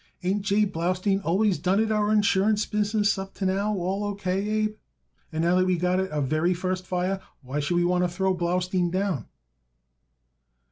Ain't J. Blaustein always done it our insurance business up to now all O. K., Abe? And now that we got it our very first fire, why should you want to throw Blaustein down?"